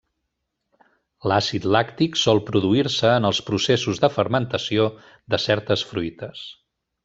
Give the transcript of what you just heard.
L'àcid làctic sol produir-se en els processos de fermentació de certes fruites.